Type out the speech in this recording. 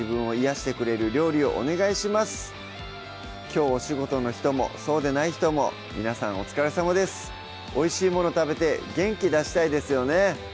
きょうお仕事の人もそうでない人も皆さんお疲れさまですおいしいもの食べて元気出したいですよね